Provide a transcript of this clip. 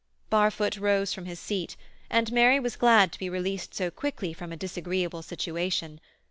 Barfoot rose from his seat, and Mary was glad to be released so quickly from a disagreeable situation.